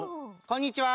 こんにちは。